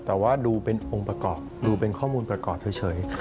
แต่ว่าดูเป็นองค์ประกอบดูเป็นข้อมูลประกอบเฉย